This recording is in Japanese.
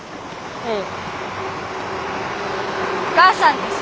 うん。